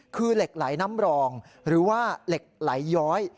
คือเหล็กไหลน้ำรองหรือว่าเหล็กไหลย้อย